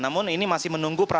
namun ini masih menunggu